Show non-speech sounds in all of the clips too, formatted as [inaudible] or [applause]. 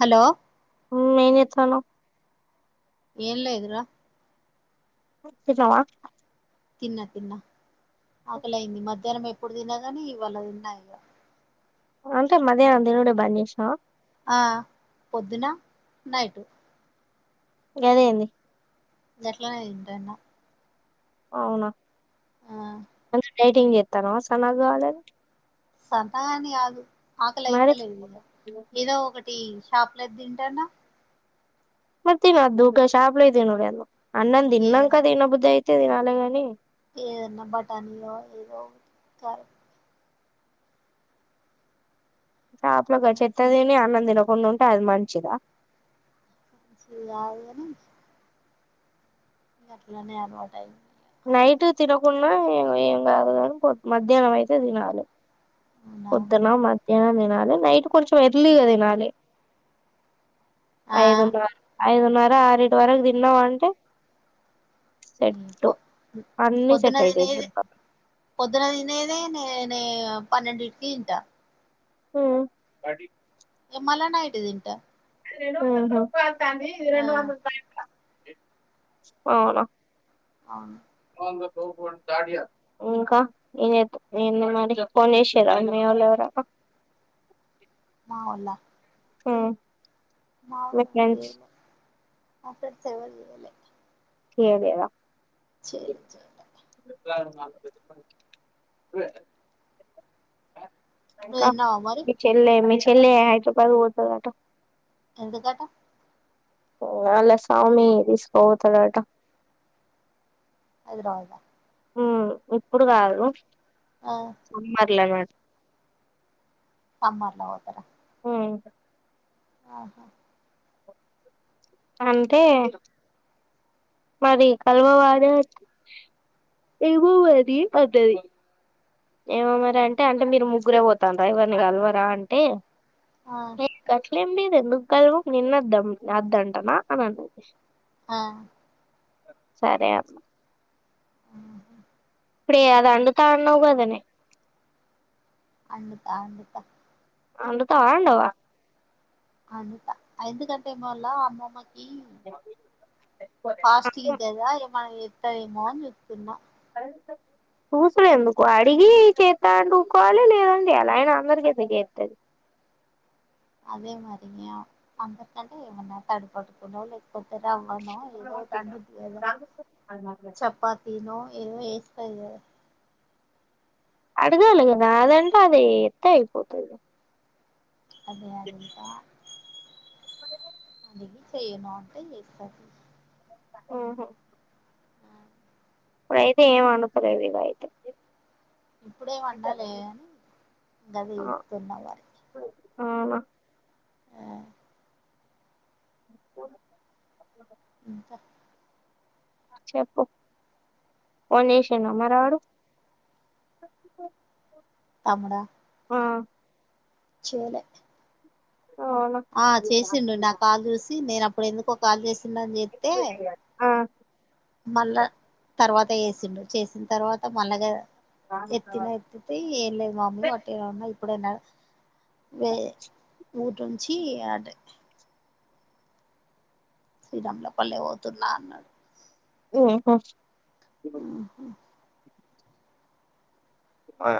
Hello ఊ ఏం జేత్తన్నావ్ ఎం లేదు రా తిన్నావా తిన్నా తిన్నా ఆకలయింది మధ్యాహ్నం ఎ ఇప్పుడు తినగనే ఇవాళ తిన్నా కదా అంటే మధ్యానం దినుడే బన్ జేశ్నవా ఆ పొద్దున నైటు గాదెంది గట్లనిటింతన అవునా అందర్ డైటింగ్ జేతన్నవా సన్నగ్ గావాలని సన్నగా అని కాదు ఆకలి మరి అయితలే ఏదో ఒకటి షాపలద్ దింటాన్న మరి తిన్నదు గా షాప్లో ఈ తినుడు ఏందుక్ అన్నం దిన్నంక ఏదన్నా తినబుదై త్తే ఆలేగని ఏదన్నా బటానీయో ఏదో ఒకటి కారం చాప్లా గ చెత్త తిని అన్నం తినకుండా ఉంటే అది మంచిదా ఇది గాదు గనీ గట్లనే అల్వాట్ అయ్యింది నైట్ తినకున్నా ఎమ్ ఏం గాదు గనీ పొద్ మధ్యాహ్నం అయితే తినాలి అవునా పొద్దున్నా మద్ ఏమన్న తినాలి నైట్ కొంచెం ఎర్లీ గా తినాలి ఆ ఐదున్నా ఐదున్నా న్నారా ఆరిటి వరకు తిన్నావంటే మ్మ్ సెట్టు పో అన్ని సెట్ అయితాయి పొద్దునదినీదే దెబ్బ పొద్దునదినీదే నే నే పన్నెడిటికీ తింటా ఊ ఇగ మళ్ల నైట్ తింటా అ హా ది ఇది ఆ రెండు వందల పైపలా అవునా అవును ఇంకా ఏంచేత్ ఏంది మరి ఫోన్ జేషిర్రా మీవోల్లు ఎవరన్నా అవులా మ్మ్ మావొళ్ళు ఎవరు చేయలే మా ఫ్రెండ్స్ ఎవర్ చేయ్ చేయలేవా చేలి చోటా నువ్వు ఇంకా తిన్నావా మరి మీ చెల్లి ఏమ్ చెస్ చెల్లే హైద్రాబాద్ పోతదటా ఎందుకటా వాలా స్వామీ తీసుకోపోతాడట అది రాదా మ్మ్ ఇప్పుడు గాదు ఆ సమ్మర్లరా సమ్మర్ల పోతరా మ్మ్ ఆహా అంటే మరి కలవరాదే ఏమో మరి అన్నది ఏమో మరి అంటే అంటే మీరు ముగ్ ముగ్రే పోతార్రా ఎవ్వరిని కల్వరా అంటే ఆ ఏ గట్లేమ్ లేద్ ఎందుకు కలవం నిన్నద్దం అందంటనా అని అన్నది. ఆ సరే అమ్మ ఆహ ఇప్పుడే అది అండుతానవ్వు కదనే అండుతా అండుతా. అండుతవా, అండవా. అండుతా ఎందుకంటే ఏమోళ అమ్మమ్మ ఫాప్స్టింగ్ కదా ఎమన్నా ఒత్తదేమో అన్ జుత్తున్నా. చూసుడు ఎందుకు అడిగి చేతాంటే ఊకోవాలే లేదంటే జెయ్యాలే అయినా అందరికి చేసి నీకు చేత్తది. అదే మరి ఆ అందరికంటే ఏమన్నా తడుపోటుకులో లేక్పో లే రవ్వనో ఏదోటి అండుద్ది కదా చపాతీనో ఏదో చేస్ స్తది కదా అడుగాలే కదా అదంటే అదే చేత్తే అయిపోతది. అదే అడుగుతా ఏ చెయను అంటే చేస్తా. ఓహో ఇప్పుడు అయితే ఏం అండుకోలేదు ఇగ అయితే. ఇప్పుడేం అండలేకాని గదే ఆ చేత్తున్న వానికి అవునా ఇంకా చెప్పు ఫోన్ చేసిండా మరి ఆడు తమ్ముడా ఆ చేయలే. అవునా ఆ చేసిండు నా కాలు చూసి నేను అప్పు డు ఎందుకో కాల్ చేసి ండని చెత్తే ఆ మళ్ళా తర్వాత చేసిండు చేసిన తర్వాత మళ్లగా ఎత్తిన ఎతిత్తే ఎంలేదు మమ్మి వాట్టిగనే ఉన్నది. ఎప్పుడైనా వే ఊర్నించి అటే [unintelligible] లోపల్నే పోతున్నా అన్నడు. [unintelligible] ఉ హుమ్ ఆ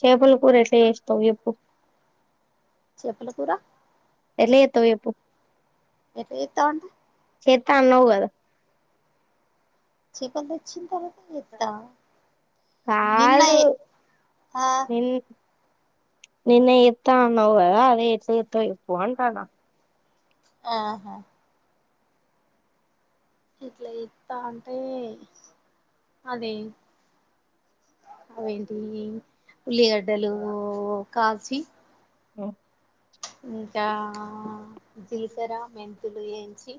చేపల కూర ఎట్ల చేస్తవు చెప్పు చెపల కూర ఎట్ల చెత్తవ్ ఎప్పు ఎట్లా చెత్త అంటె చేత్త అన్నవుగద చేపల్ తెచ్చిన్తర్వ కాదు నిన్న ఆ నిన్ నిన్న ఎత్త అన్నావ్ కదా అదే ఎట్ల చెత్తవ్ చెప్పు అంటన్నా ఆహా ఇట్లా ఇత్త అంటే అదే అవేంటియి ఉల్లిగడ్డలు కాల్చి ఒ ఇంకా జీలకర మెంతులు యేంచి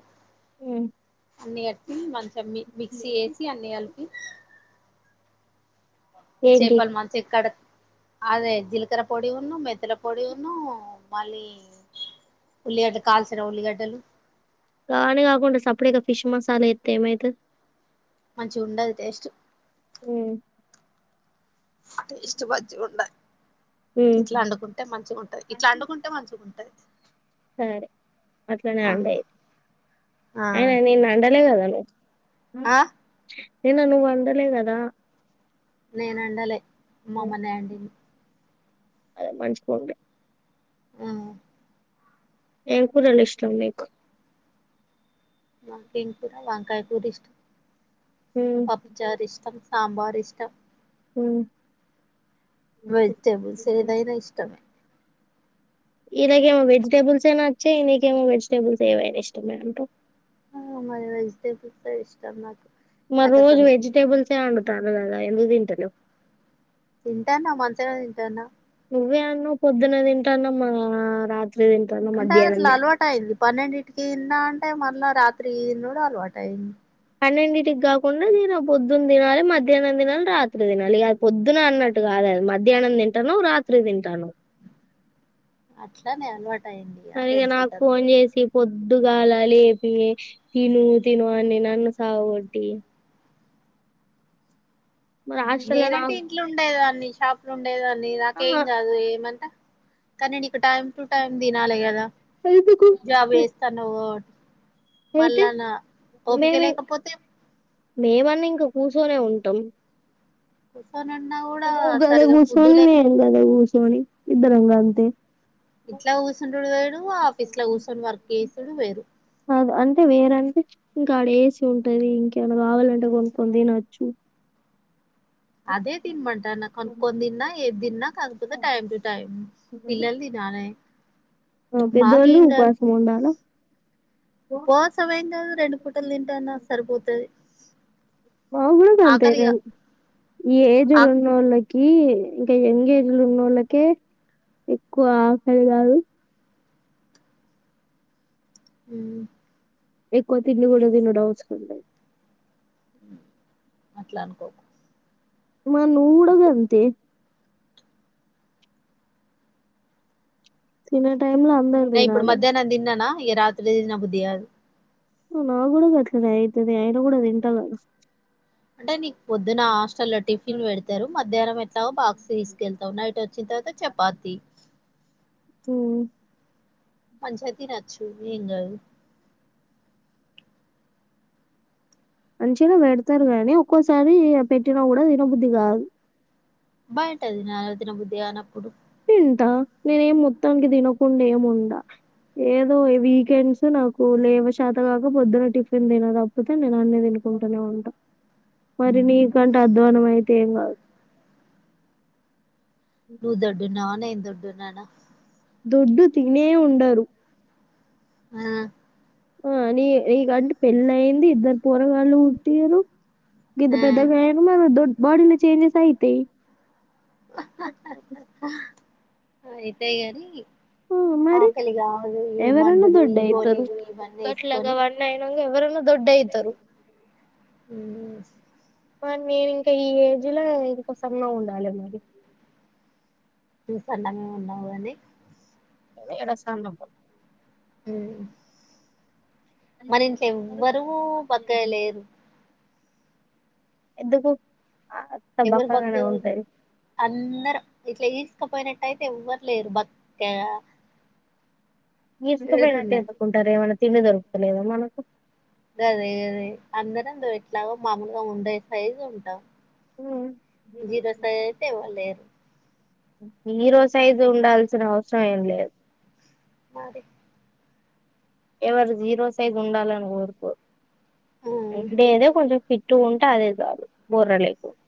అన్ని కట్టి మంచిగ మి మిక్సీ ఎసి అన్నికల్ ఇ ఏంటి చేపల్ మంచిక్కడ అదే జీలకర పొడి ఉన్న మె త్తుల పొడిఉన్ను మళ్ళీ ఉల్లిగడ్డ కల్సిన ఉల్లిగడ్డలు కానీ కాకుండా సపడేక ఫిష్ మసాలా ఎతే ఏమైతు మంచిగ్ ఉండది టేస్ట్ ఉమ్ టేస్ట్ మంచిగ్ ఉండాలి ఇట్లా అండుకుంటే మంచిగ్ ఉంటది ఇట్లా అండుకుంటే మంచిగ్ ఉంటది సరే అట్లనే ఆ అండేయ్ ఆ అయిన నేను అండలే కద ఆ నిన్న నువ్ అండలే కదా నెన్ అండలే మమ్మనే అండింది అదే మంచిపోండి ఆ ఏం కూర న్డ్ ఇష్టం మిక్ మాక్ ఎం కూర వంకాయ కూర ఇష్టం పప్పచార్ ఇష్టం సాంబార్ ఇష్టం హుమ్ వెజిటబుల్స్ ఏదైనా ఇష్టం ఇలాకమో వెజిటేబుల్స్ ఏనా వచ్చాయి నీకేమో వెజిటేబుల్స్ ఏవనా ఇష్టం మే అంటు హ్మ్ మరి వెజిటేబుల్సే ఇష్టం నాకు మరి నాకు రోజు అసలు వెజిటేబుల్సే వండుతారు కదా ఎందుకు తింట హలో తింటాన్నా మంచిగా నే తింటాన్నా నువ్వే అన్నవ్ పొద్దున తింటాన్న మా రా అంటే అదట్లా అలవాటు అయింది పన్నెండింటికిింద అంటే మన రాత్రి నుడులవాటైం పన్నింటింటికి కాకుండా దే పొద్దున్న తినాలి మధ్యాహ్నం తినాలి రాత్రి తినాలి ఇక పొద్దున అన్నట్టు కాదది మధ్యాహ్నం తింటాన్నావ్ రాత్రి తింటాన్నావ్ అట్లానేే అలవాట్ ఆ ఇగ నాకు ఫోన్ చేసి పొద్దుగాల లేపి తిను తిను అని నన్ను సావగొటి మరి హాస్టల్ల నేనంటే నాకు ఇంట్లో ఉండేదాన్ని షాప్ డే దాన్ని నాకేం ఆహా కాదు ఏమంట కన్నడి టైమ్ టు టైమ్ తినాలి కదా ఎందుకు జాబ్ చేస్తాన్నావు అయితే మళ్ళా నా ఓపిక మేమి లేకపోతే మేమన్నా ఇంక కూర్చొనే ఉంటాం మ్ గద గుసన్న గద [unintelligible] తోని ఇద్దరంగా అంతే ఇట్లా కూర్చుండుడు వేరు ఆఫీస్ లో కూసోని వర్క్ చేసుడు వేరు అద్ అంటే వేరంటే ఇంకా ఆడ ఏసి ఉంటది ఇంక ఏమన కావాలంటే కొనుక్కొని తినొచ్చు అదే తినమంటాన్న కొనుక్కొని తిన్నా ఏది తిన్నా కాకపోతే టైం టు టైం పిల్లలు తినాలే ఆ పెద్దొళ్ళు ఉపవాసం ఉండాలా ఉపవాసమేం కాదు రెండు పూటలు తింటాన్నా సరిపోతుది మాకు కూడా గంతే రెం ఆ ఏజ్లు ఉన్నోళ్ళకి ఈ ఇంకా యంగ్ ఏజ్ లున్నోళ్ళకే ఎక్కువ ఆకలి కాదు మ్ ఎక్కువ తిండి కూడా తినుడవసరం లేదు అట్లా అనుకోకు మ నువ్ గూడా గంతే తిన టైం లో అందరు నే ఇప్పుడు తినాలె మధ్యాహ్నం తిన్నానా ఇగ రాత్రి దిన బుద్ది గాదు నా గుడా గట్లనే ఐతది ఆయిన కూడా తింట గదా అంటే నీకు పొద్దున్న హాస్టల్లో టిఫినులు పెడతారు మధ్యాహ్నం తావ్ బాక్స్ తీసుకెళ్తావు. నైట్ వచ్చిన తర్వాత చపాతి హ్మ్ పంచాయతి రాచ్చు ఏం కాదు. మంచిగా పెడతారు కాగానీ, ఒక్కోసారి పెట్టిన కూడా తినబుద్ధి కాదు. బయట తినాలి. తిన బుద్ధి గానప్పుడు అంత నేనే ఏం మొత్తానికి తినకుండా ఏము ఉండ ఏదో వీకెండ్స్ నాకు లేవ శాతకాక పొద్దున టిఫిన్ తిన తప్పితే నేను అన్ని తినుకుంటూనే ఉంటా మరి నీకంటే అధ్వానం అయితే ఏం కాదు. నువ్వు దొడ్డు న్నావా నేన్ దొడ్డునానా దొడ్డు తినే ఉండరు. ఆ ఆ నీ నీకంటే పెళ్ళి అయింది. ఇద్దరు పోరగాళ్ళు పుట్టిరు. గింత ఆ పెద్దగా అయినవ్ మరి దొడ్డు, బాడీలో చేంజెస్ అయితేయ్ అహ్ అహ్ ఆ అయితేయ్ గాని ఆ మరి ఆకలి కాదు. ఈ ఎవరన్నా మందులు ఈ దొడ్డయితరు. గోలీలు ఇవన్నీ గట్ల వేసుకొని గవన్నీ అయినంక ఎవరన్నా దొడ్డయితరు. మరి నేను ఇంకా ఈ ఏజ్ లో ఇంకో సన్నగా ఉండాలి. మరి నువ్వు సన్నగానే ఉన్నావు. గాని [unintelligible] హ్మ్ మన ఇంట్లో ఎవ్వరు బక్కగా లేరు. ఎందుకు అంత ఎవరు బక్కగానే బక్కగా ఉంటది అందరు ఇట్లా చే బక్కపోయినట్టయితే ఎవ్వరు లేరు బక్కగా మీ [unintelligible] ఎవరు ఉన్నారు ఏమన్నా తిన్నదారుగుతలేదా మనకు గదే అదే అందరం ఎట్లాగో మామూలుగా ఉండే సైజు ఉంటాం. ఉమ్. జీరో సైజ్ అయితే ఎవ్వరు లేరు. హీరో సైజు ఉండాల్సిన అవసరం ఏం లేదు మరిే ఎవరు జీరో సైజ్ ఉండాలని కోరుకోరు ఆ ఎండేదే ఏదో కొంచెం ఫిట్ టూ ఉంటే అదే చాలు. బొర్ర లేకుండా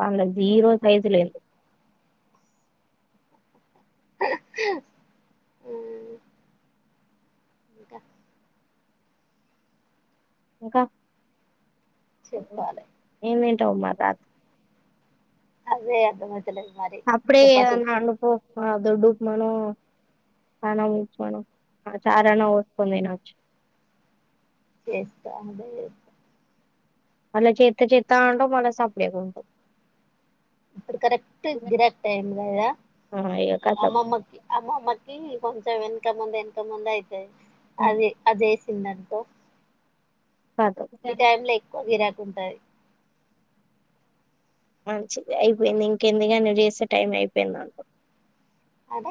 వాళ్ళ అదే జీరో సైజు లేకుండా అ ఇంకా ఇంకా చెప్పాలే. ఇంతవ్ మా తాత అదే అదే అప్పుడే ఏదన్న ఆలు పో ఆ దొడ్డు ఉప్మానో సన్నం ఉప్మానో చారన్న పోస్కొని తినచ్చు. చేస్తా అదే చేస్త మళ్ళ చేత్త చేత్త అంటవ్ మళ్ళ సపడేకుంటవ్ ఇప్పుడు కరెక్ట్ గిరాక్ టైం కదా ఆ ఇగ కతం అమ్మమ్మకి అమ్మమ్మకి కొంచం వెన్ ఎనక మొంద్ ఎనక ముంద్ అయి అదే అదే [unintelligible] కతం ఈ టైమ్లో ఎక్కో గిరాక్ ఉంటది మంచిది అయిపోయింది ఇంకెందిగా ను చేసే టైం అయిపోయింది నాకు అంటే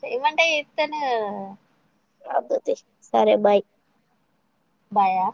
చెయిమంటే తను సరే బాయ్ బాయా